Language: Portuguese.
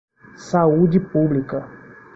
Saúde pública.